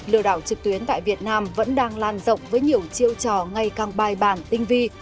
lừa đảo trực tuyến tại việt nam vẫn đang lan rộng với nhiều chiêu trò ngày càng bài bản tinh vi